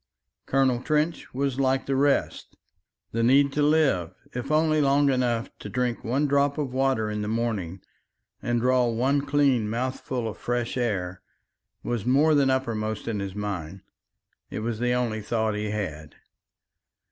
Colonel Trench was like the rest. The need to live, if only long enough to drink one drop of water in the morning and draw one clean mouthful of fresh air, was more than uppermost in his mind. It was the only thought he had.